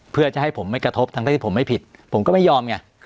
เพื่อจะให้ผมไม่กระทบทั้งที่ผมไม่ผิดผมก็ไม่ยอมไง